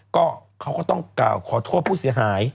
ก็ต้องขอโทษผู้เสียหาย